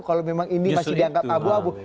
kalau memang ini masih dianggap abu abu